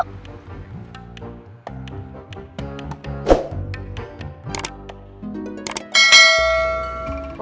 makasih ya